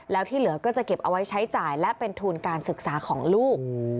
แล้วที่เหลือก็จะเก็บเอาไว้ใช้จ่ายและเป็นทุนการศึกษาของลูก